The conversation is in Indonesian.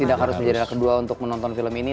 tidak harus menjadi anak kedua untuk menonton film ini